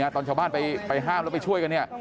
ตอนชาวบ้านไปห้ามแล้วไปช่วยกันเนี่ย